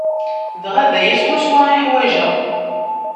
Dɣa d aya swaswa i ḥwajeɣ.